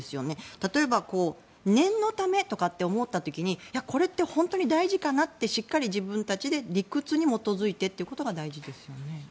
例えば、念のためとかと思った時にそれって本当に大事かなとしっかり自分たちで理屈に基づいてということが大事ですよね。